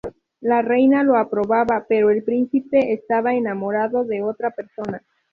La Reina lo aprobaba, pero el príncipe estaba enamorado de otra persona.